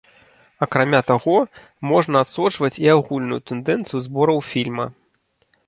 Акрамя таго, можна адсочваць і агульную тэндэнцыю збораў фільма.